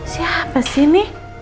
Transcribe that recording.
siapa sih ini